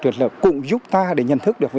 trượt lở cũng giúp ta để nhận thức được